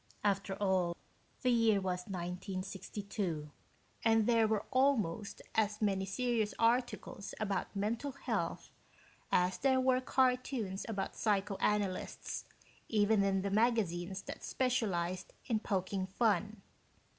After all, the year was 1962, and there were almost as many serious articles about mental health as there were cartoons about psychoanalysts, even in the magazines that specialized in poking fun.